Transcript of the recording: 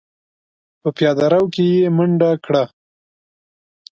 په پياده رو کې يې منډه کړه.